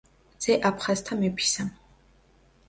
ძე აფხაზთა მეფისა.